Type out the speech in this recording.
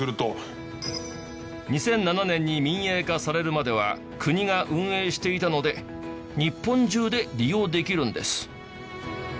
２００７年に民営化されるまでは国が運営していたので日本中で利用できるんです。